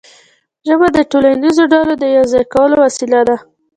ژبه د ټولنیزو ډلو د یو ځای کولو وسیله ده.